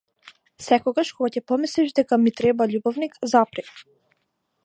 Секогаш кога ќе помислиш дека ми треба љубовник, запри.